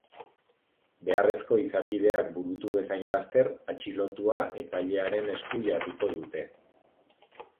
Beharrezko izapideak burutu bezain laster, atxilotua epailearen esku jarriko dute.